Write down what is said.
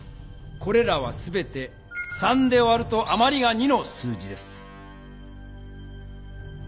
これらはすべて３で割るとあまりが２の数字です。